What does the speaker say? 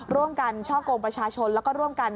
ร่วมกันช่อกงประชาชนแล้วก็ร่วมกัน